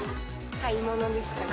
買い物ですかね。